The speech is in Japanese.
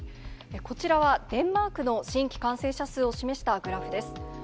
こちらはデンマークの新規感染者数を示したグラフです。